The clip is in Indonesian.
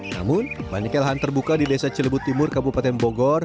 namun banyaknya lahan terbuka di desa cilebut timur kabupaten bogor